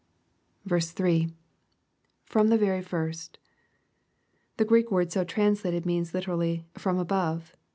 3. — [From the very first,] The Greek word so translated, means literally, " from above."